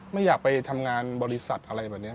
ไม่อยากไปทำงานบริษัทอะไรแบบนี้